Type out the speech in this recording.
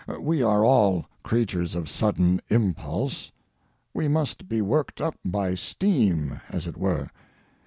We are all creatures of sudden impulse. We must be worked up by steam, as it were.